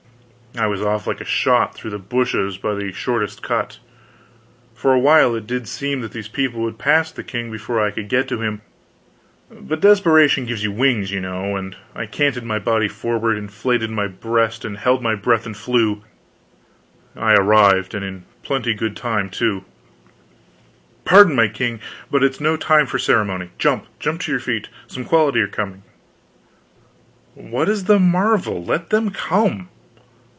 I was off like a shot, through the bushes, by the shortest cut. For a while it did seem that these people would pass the king before I could get to him; but desperation gives you wings, you know, and I canted my body forward, inflated my breast, and held my breath and flew. I arrived. And in plenty good enough time, too. "Pardon, my king, but it's no time for ceremony jump! Jump to your feet some quality are coming!" "Is that a marvel? Let them come."